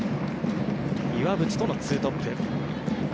岩渕との２トップ。